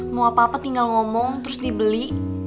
mau apa apa tinggal ngomong terus dibeli